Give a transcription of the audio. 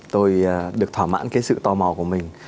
tôi được thỏa mãn cái sự tò mò của mình